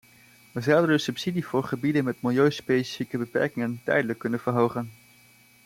We zouden de subsidie voor gebieden met milieuspecifieke beperkingen tijdelijk kunnen verhogen.